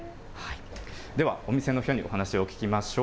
では、お店の人にお話しを聞きましょう。